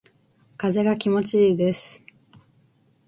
風が気持ちいいです。